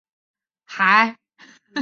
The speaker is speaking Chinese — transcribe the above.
天津海关遂成为海关邮政的中心。